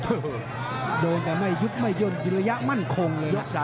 โเราจะยุบไม่หยุ่นในระยะมั่นคงเลยนะ